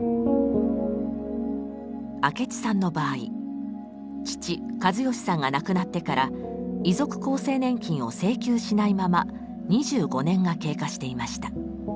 明智さんの場合父・計義さんが亡くなってから遺族厚生年金を請求しないまま２５年が経過していました。